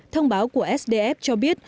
thông báo của sdf cho biết